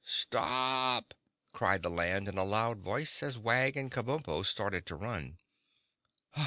"Stop!" cried the Land in a loud voice, as Wag and Kabumpo started to run.